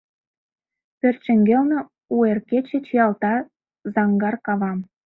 Пӧрт шеҥгелне у эр кече чиялта заҥгар кавам.